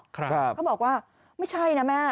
เขาบอกว่าไม่ใช่นะแม่